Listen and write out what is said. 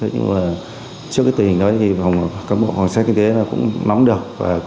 nhưng trước tình hình đó các bộ phòng cảnh sát kinh tế cũng mắm được